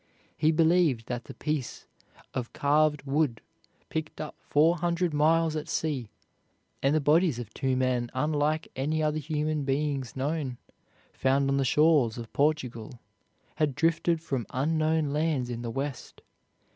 He believed that the piece of carved wood picked up four hundred miles at sea and the bodies of two men unlike any other human beings known, found on the shores of Portugal, had drifted from unknown lands in the west.